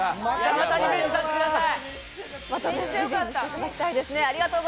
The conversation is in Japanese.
またリベンジさせてください。